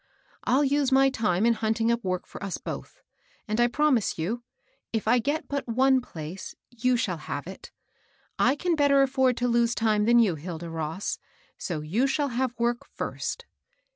I'll use my time in hunting up work for us both; and, I promise you, if I get but one place, you shall have it. I can better afford to lose time than you, Hilda Ross ; so you shall have work first."